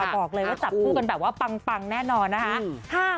บอกเลยว่าจับคู่กันแบบว่าปังแน่นอนนะคะ